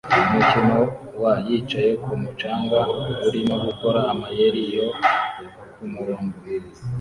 Umukino wa yicaye kumu canga urimo gukora amayeri yo kumurongo